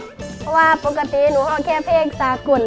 เพราะว่าปกติหนูเอาแค่เพลงสากล